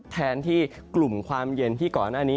แทนที่กลุ่มความเย็นที่ก่อนหน้านี้